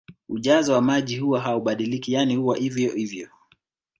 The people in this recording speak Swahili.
Ujazo wa maji huwa haubadiliki yani huwa hivyo hivyo